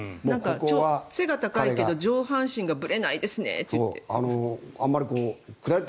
背が高いけど上半身がぶれないですねって言って。